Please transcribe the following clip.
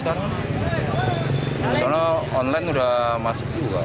karena online udah masuk juga